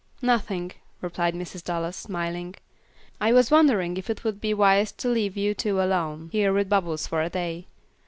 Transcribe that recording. "Nothing," replied Mrs. Dallas, smiling. "I was wondering if it would be wise to leave you two alone here with Bubbles for a day.